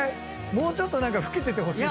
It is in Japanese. もうちょっと老けててほしい。